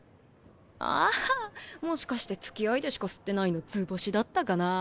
あっもしかしてつきあいでしか吸ってないの図星だったかなぁ？